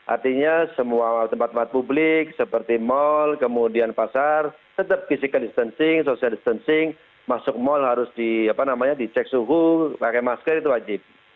artinya semua tempat tempat publik seperti mal kemudian pasar tetap physical distancing social distancing masuk mal harus dicek suhu pakai masker itu wajib